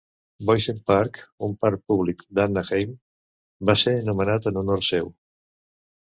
Boysen Park, un parc públic d'Anaheim, va ser nomenat en honor seu.